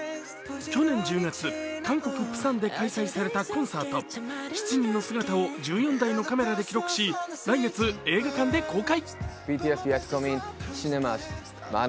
去年１０月、韓国・プサンで開催されたコンサート７人の姿を１４台のカメラで記録し、来月、映画館で公開。